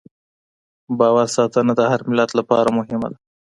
باور ساتنه د هر ملت لپاره مهمه ده.